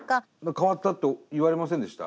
変わったと言われませんでした？